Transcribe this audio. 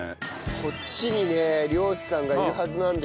こっちにね漁師さんがいるはずなんですよ。